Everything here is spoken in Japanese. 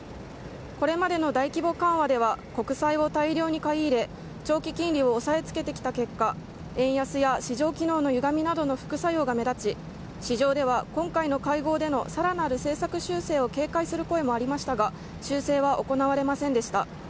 これまでの大規模緩和では国債を大量に買い入れ長期金利を抑えつけてきた結果円安や市場機能のゆがみなどの副作用が目立ち市場では今回の会合でのさらなる政策修正を警戒する声もありましたが修正は行われませんでした。